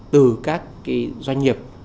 từ các cái doanh nghiệp